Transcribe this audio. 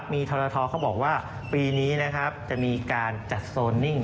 มีทรทเขาบอกว่าปีนี้นะครับจะมีการจัดโซนนิ่ง